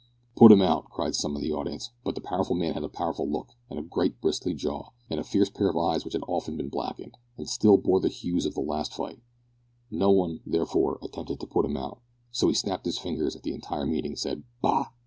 "Put 'im out," cried some of the audience. But the powerful man had a powerful look, and a great bristly jaw, and a fierce pair of eyes which had often been blackened, and still bore the hues of the last fight; no one, therefore, attempted to put him out, so he snapped his fingers at the entire meeting, said, "Bah!"